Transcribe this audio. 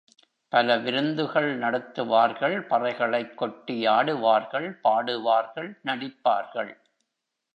பல விருந்து கள் நடத்துவார்கள் பறைகளைக் கொட்டி ஆடுவார்கள், பாடுவார்கள், நடிப்பார்கள்.